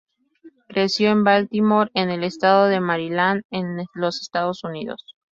Creció en Baltimore, en el estado de Maryland, en los Estados Unidos.